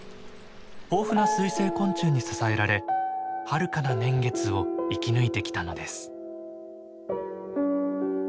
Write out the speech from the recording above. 豊富な水生昆虫に支えられはるかな年月を生き抜いてきたのです。